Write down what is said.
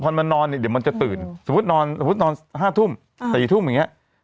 พอมันนอนเดี๋ยวมันจะตื่นสมมุตินอนห้าทุ่มแต่อยู่ทุ่มอย่างเงี้ย